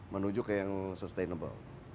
menuju ke yang sustainable